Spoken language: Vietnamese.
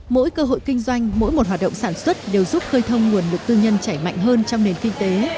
mỗi cơ hội kinh doanh mỗi một hoạt động sản xuất đều giúp khơi thông nguồn lực tư nhân chảy mạnh hơn trong nền kinh tế